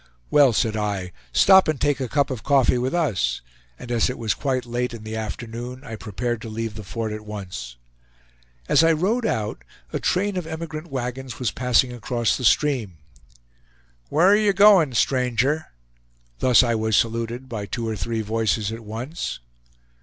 "Well," said I, "stop and take a cup of coffee with us"; and as it was quite late in the afternoon, I prepared to leave the fort at once. As I rode out, a train of emigrant wagons was passing across the stream. "Whar are ye goin' stranger?" Thus I was saluted by two or three voices at once.